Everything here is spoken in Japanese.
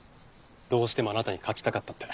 どうしてもあなたに勝ちたかったって。